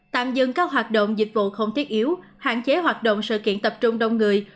tạm dừng các hoạt động dịch vụ không thiết yếu hạn chế hoạt động sự kiện tập trung đông người